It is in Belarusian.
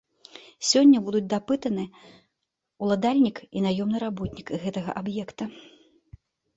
Сёння будуць дапытаны ўладальнік і наёмны работнік гэтага аб'екта.